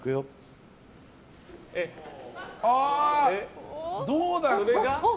おおどうだろう。